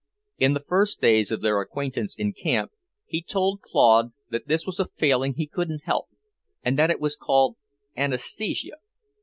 In the first days of their acquaintance in camp he told Claude that this was a failing he couldn't help, and that it was called "anaesthesia."